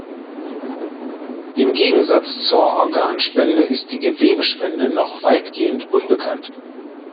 Im Gegensatz zur Organspende ist die Gewebespende noch weitgehend unbekannt.